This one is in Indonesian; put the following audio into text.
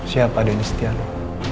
siapa dennis tiano